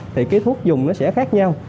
thì cái thuốc dùng nó sẽ khác nhau